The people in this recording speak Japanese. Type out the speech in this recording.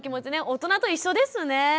大人と一緒ですね。